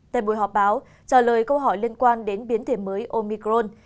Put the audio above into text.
tại buổi họp báo trả lời câu hỏi liên quan đến biến thể mới omicron